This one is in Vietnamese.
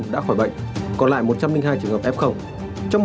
đã khỏi bệnh còn lại một trăm linh hai trường hợp f